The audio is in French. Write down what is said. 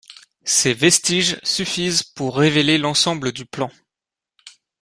Ces vestiges suffisent pour révéler l'ensemble du plan.